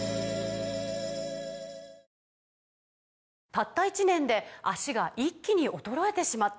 「たった１年で脚が一気に衰えてしまった」